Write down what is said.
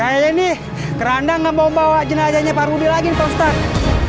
ya kayaknya ini kerandang gak mau bawa jenazahnya pak rudi lagi pak ustadz